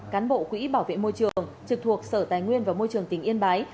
cán bộ quỹ bảo vệ môi trường trực thuộc sở tài nguyên và môi trường tỉnh yên bái